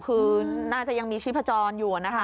คือน่าจะยังมีชีพจรอยู่นะคะ